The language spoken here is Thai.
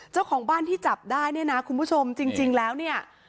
เจ้าของบ้านที่จับได้เนี่ยนะคุณผู้ชมจริงแล้วเนี่ย